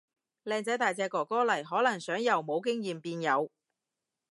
靚仔大隻哥哥嚟，可能想由冇經驗變有